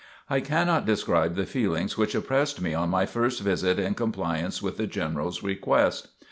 I cannot describe the feelings which oppressed me on my first visit in compliance with the General's request.